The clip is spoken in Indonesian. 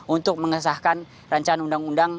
untuk mengesahkan rancangan undang undang